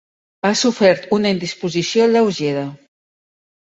Ha sofert una indisposició lleugera.